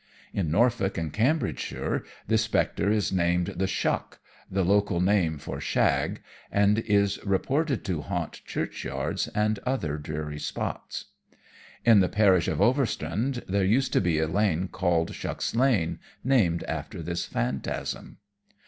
In Norfolk and Cambridgeshire this spectre is named the "Shuck," the local name for Shag and is reported to haunt churchyards and other dreary spots. In the parish of Overstrand, there used to be a lane called "Shuck's Lane," named after this phantasm.